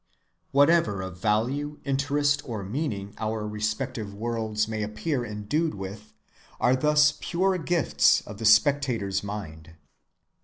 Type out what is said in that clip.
Whatever of value, interest, or meaning our respective worlds may appear endued with are thus pure gifts of the spectator's mind.